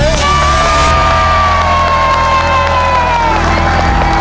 ซึ่งเป็นคำตอบที่